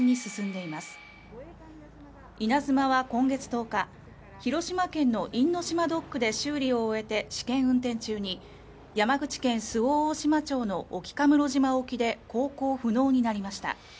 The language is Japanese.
「いなづま」は今月１０日、広島県の因島ドックで修理を終えて試験運転中に山口県周防大島沖の沖家室島沖で航行不能になりました。